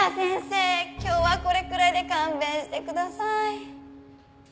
今日はこれくらいで勘弁してください。